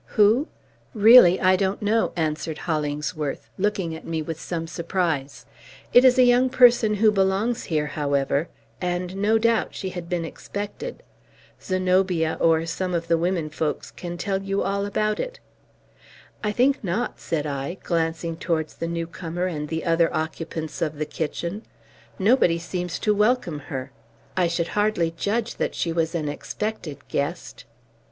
"Who? Really, I don't know," answered Hollingsworth, looking at me with some surprise. "It is a young person who belongs here, however; and no doubt she had been expected. Zenobia, or some of the women folks, can tell you all about it." "I think not," said I, glancing towards the new comer and the other occupants of the kitchen. "Nobody seems to welcome her. I should hardly judge that she was an expected guest."